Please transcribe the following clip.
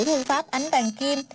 thư pháp ánh vàng kim